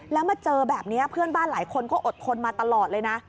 แล้วมาเจอแบบนี้เพื่อนบ้านหลายคนก็อดทนมาตลอดเลยนะ